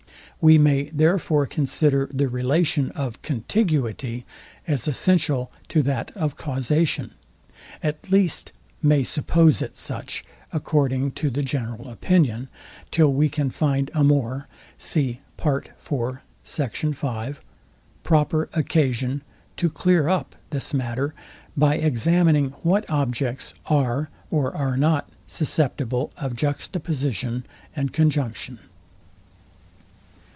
We may therefore consider the relation of CONTIGUITY as essential to that of causation; at least may suppose it such, according to the general opinion, till we can find a more proper occasion to clear up this matter, by examining what objects are or are not susceptible of juxtaposition and conjunction.